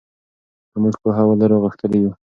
که موږ پوهه ولرو غښتلي یو.